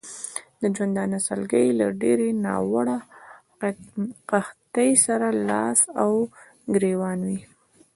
د ژوندانه سلګۍ له ډېرې ناوړه قحطۍ سره لاس او ګرېوان وې.